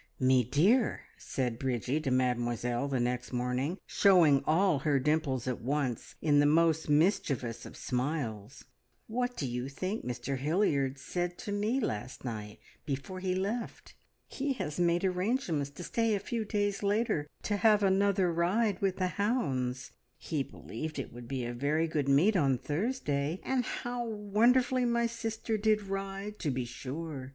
"Me dear," said Bridgie to Mademoiselle, the next morning, showing all her dimples at once in the most mischievous of smiles, "what do you think Mr Hilliard said to me last night before he left? He has made arrangements to stay a few days later to have another ride with the hounds. He believed it would be a very good meet on Thursday, and how wonderfully my sister did ride, to be sure.